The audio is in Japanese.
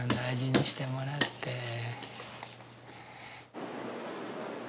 大事にしてもらって。